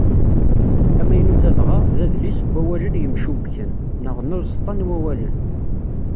Amaynut-a dɣa, d adlis n wawalen yemcubbken, neɣ n uẓeṭṭa n wawalen.